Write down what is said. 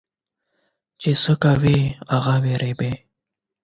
چي څه کرې ، هغه به رېبې.